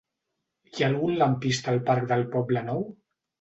Hi ha algun lampista al parc del Poblenou?